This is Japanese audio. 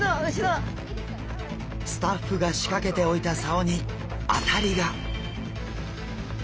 スタッフが仕掛けておいた竿に当たりが！